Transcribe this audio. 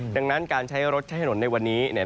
ดังนั้นการใช้รถใช้ถนนในวันนี้